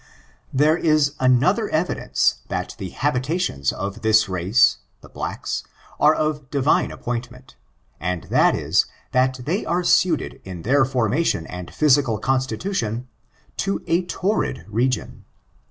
There is another evidence, that the habitations of this race (the blacks) are of Divine appointment, and that is, that they are suited in their formation and physical constitution, to a torrid region.